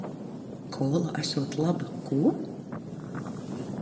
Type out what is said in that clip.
Kola esot laba. Ko???